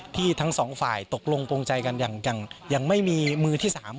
ทั้งสองฝ่ายตกลงโปรงใจกันยังไม่มีมือที่๓